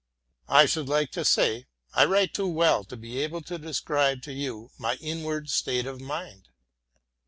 I should like to say, I write too well to be able to describe to you my inward state of mind.